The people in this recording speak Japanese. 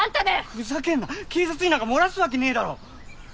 ふざけんな警察になんか漏らす訳ねぇだろ！